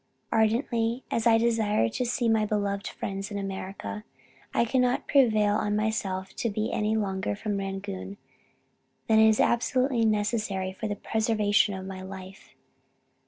"Ardently as I desire to see my beloved friends in America, I cannot prevail on myself to be any longer from Rangoon than is absolutely necessary for the preservation of my life.